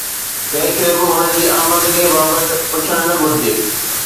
ڪنهن کي به هن جي آمدني بابت پڇڻ نه گهرجي